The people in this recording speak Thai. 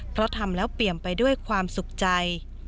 เพราะทำแล้วเปลี่ยนไปด้วยความสุขใจ